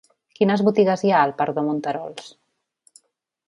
Quines botigues hi ha al parc de Monterols?